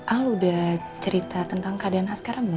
al udah cerita tentang keadaan askara mu